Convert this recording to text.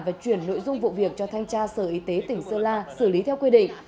và chuyển nội dung vụ việc cho thanh tra sở y tế tỉnh sơn la xử lý theo quy định